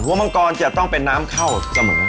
มังกรจะต้องเป็นน้ำเข้าเสมอ